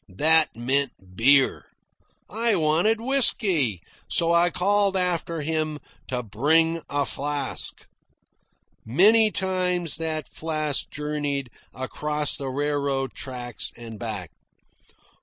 That meant beer. I wanted whisky, so I called after him to bring a flask. Many times that flask journeyed across the railroad tracks and back.